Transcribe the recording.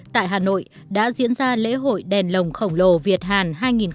tại hà nội đã diễn ra lễ hội đèn lồng khổng lồ việt hàn hai nghìn một mươi chín